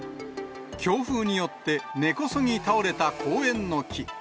強風によって根こそぎ倒れた公園の木。